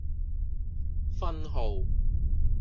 分號